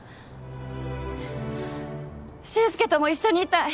周介とも一緒にいたい。